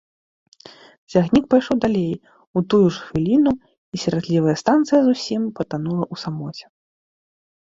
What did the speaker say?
Цягнік пайшоў далей у тую ж хвіліну, і сіратлівая станцыя зусім патанула ў самоце.